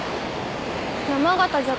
山形じゃ